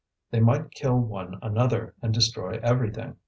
They might kill one another, and destroy everything!